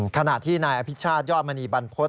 ขนาดที่นายอภิชชาติย่อมณีบันพฤษ